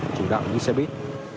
chủ đạo như xe buýt